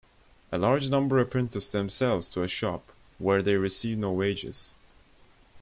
A large number apprentice themselves to a shop, where they receive no wages.